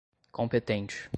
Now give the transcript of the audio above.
competente